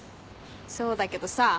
そうだけどさ。